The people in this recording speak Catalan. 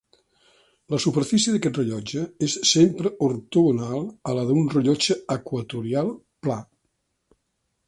La superfície d'aquest rellotge és sempre ortogonal a la d'un rellotge equatorial pla.